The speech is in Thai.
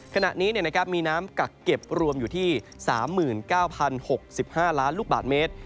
ขณะนี้มีน้ำกักเก็บรวมอยู่ที่๓๙๐๖๕ล้านลูกบาทเมตร